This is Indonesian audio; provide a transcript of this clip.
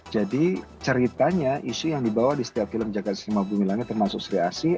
jadi ceritanya isu yang dibawa di setiap film jagad cinema bunga langit termasuk seri asih